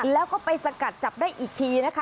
แล้วก็ไปสกัดจับได้อีกทีนะคะ